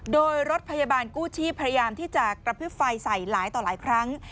โดยรถพยาบาลกู้ชีพพยายามที่จะกระพริบไฟใส่หลายต่อหลายครั้ง